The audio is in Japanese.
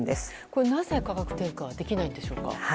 これは、なぜ価格転嫁できないんでしょうか。